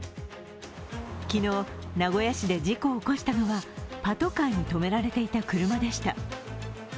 昨日、名古屋市で事故を起こしたのは、パトカーに止められていた車でした。